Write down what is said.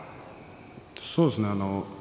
そうですね。